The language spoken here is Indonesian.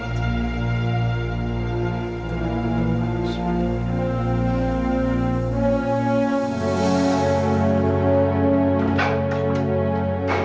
gue ketemuannya nanti